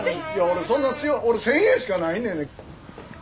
俺そんな強俺１，０００円しかないねんで。